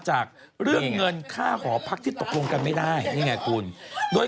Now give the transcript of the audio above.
จากเรื่องเงินค่าหอพักที่ตกลงกันไม่ได้นี่ไงคุณโดย